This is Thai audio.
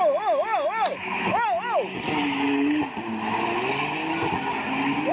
โอ้โหโอ้โหโอ้โห